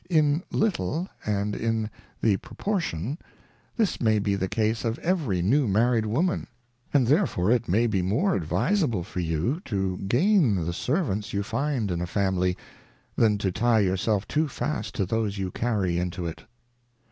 In little and in the Proportion, this may be the Case of every New married Woman, and therefore it may be more adviseable for you, to gain the Servants you find in a Family, than to tie your self too fast to those you carry into it.